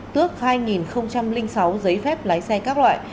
tước hai sáu giấy phép lái xe các loại